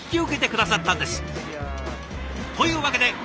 というわけで。